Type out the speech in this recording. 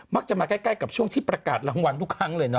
มาใกล้กับช่วงที่ประกาศรางวัลทุกครั้งเลยนะ